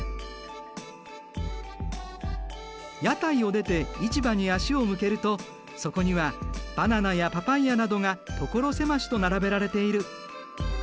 屋台を出て市場に足を向けるとそこにはバナナやパパイヤなどが所狭しと並べられている。